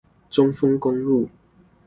中豐公路